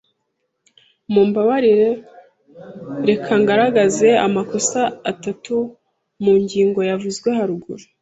Mumbabarire, reka ngaragaze amakosa atatu mu ngingo yavuzwe haruguru.